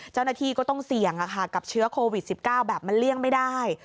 เจ้าหน้าที่ก็ต้องเสี่ยงกับเชื้อโควิด๑๙แบบมันเลี่ยงไม่ได้